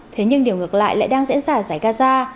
thế nhưng điều ngược lại lại đang diễn ra ở giải gaza